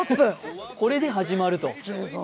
これで始まると。